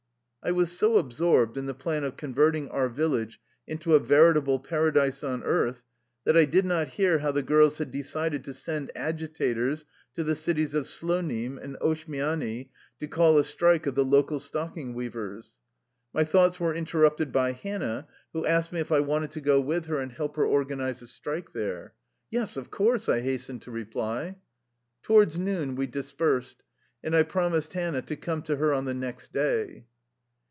I was so absorbed in the plan of converting our village into a veritable paradise on earth that I did not hear how the girls had decided to send agitators to the cities of Slonim and Osh miany to call a strike of the local stocking weav ers. My thoughts were interrupted by Hannah, who asked me if I wanted to go with her and 28 THE LIFE STORY OF A RUSSIAN EXILE help her organize a strike there. "Yes, of course/' I hastened to reply. Towards noon we dispersed, and I promised Hannah to come to her on the next day.